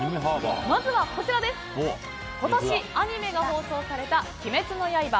まずは今年アニメが放送された「“鬼滅の刃”